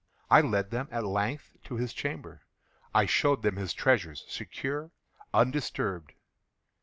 I led them, at length, to his chamber. I showed them his treasures, secure, undisturbed.